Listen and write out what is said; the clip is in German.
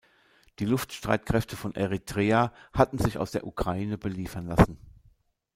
Die Luftstreitkräfte von Eritrea hatten sich aus der Ukraine beliefern lassen.